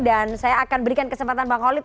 dan saya akan berikan kesempatan bang kholid